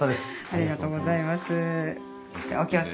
ありがとうございます。